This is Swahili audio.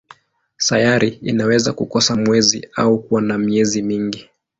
Sayari inaweza kukosa mwezi au kuwa na miezi mingi.